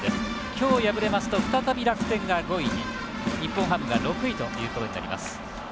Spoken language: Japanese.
今日、敗れますと再び楽天が５位に日本ハムが６位にということになります。